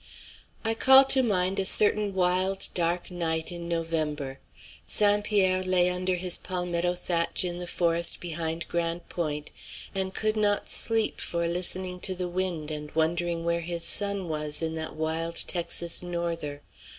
I call to mind a certain wild, dark night in November. St. Pierre lay under his palmetto thatch in the forest behind Grande Pointe, and could not sleep for listening to the wind, and wondering where his son was, in that wild Texas norther.